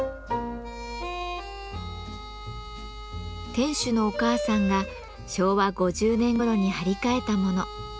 店主のお母さんが昭和５０年ごろに張り替えたもの。